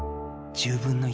１０分の１。